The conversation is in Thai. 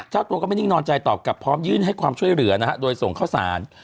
เจ้าตัวก็ไม่นิ่งนอนใจตอบกลับพร้อมยื่นให้ความช่วยเหลือนะฮะโดยส่งเข้าสาร